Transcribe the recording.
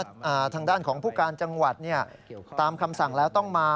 ทางด้านของผู้การจังหวัดเนี่ยตามคำสั่งแล้วต้องมา